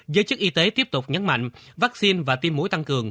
giới chức y tế tiếp tục nhấn mạnh vaccine và tiêm mũi tăng cường